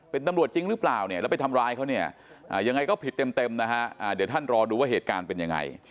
เป็นตำรวจจริงหรือเปล่าเนี่ยแล้วไปทำร้ายเขาเนี่ยยังไงก็ผิดเต็มนะฮะเดี๋ยวท่านรอดูว่าเหตุการณ์เป็นยังไง